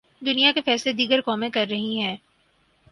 دنیا کے فیصلے دیگر قومیں کررہی ہیں۔